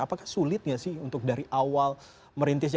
apakah sulitnya sih untuk dari awal merintisnya